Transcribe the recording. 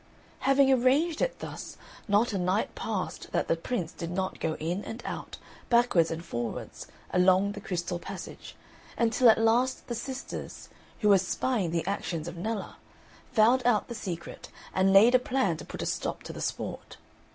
Having arranged it thus, not a night passed that the Prince did not go in and out, backwards and forwards, along the crystal passage, until at last the sisters, who were spying the actions of Nella, found out the secret and laid a plan to put a stop to the sport.